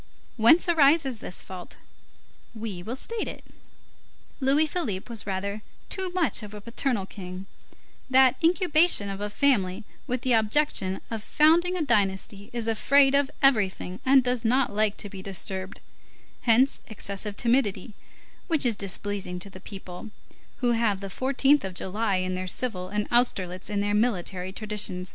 Whence arises this fault? We will state it. Louis Philippe was rather too much of a paternal king; that incubation of a family with the object of founding a dynasty is afraid of everything and does not like to be disturbed; hence excessive timidity, which is displeasing to the people, who have the 14th of July in their civil and Austerlitz in their military tradition.